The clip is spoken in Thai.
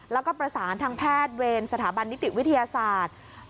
แล้วก็ประสานทางแพทย์เวรสถาบันนิติวิทยาศาสตร์